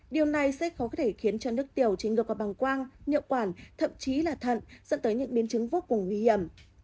điều này sẽ khó có thể khiến cho đứt tiểu chế ngược vào bằng quang niệu quản thậm chí là thận dẫn tới những biến chứng vô cùng nguy hiểm